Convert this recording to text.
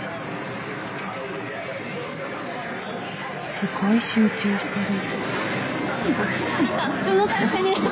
すごい集中してる。